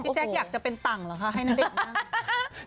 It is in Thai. กิ๊กแจ๊กอยากจะเป็นต่ังเหรอคะให้ณเดชน์มา